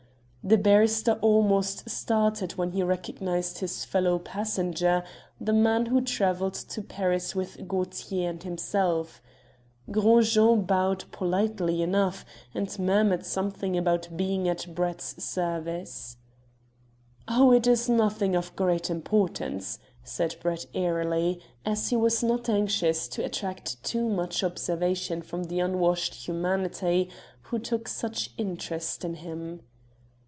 The barrister almost started when he recognized his fellow passenger, the man who travelled to Paris with Gaultier and himself. Gros Jean bowed politely enough, and murmured something about being at Brett's service. "Oh, it is nothing of great importance," said Brett airily, as he was not anxious to attract too much observation from the unwashed humanity who took such interest in him.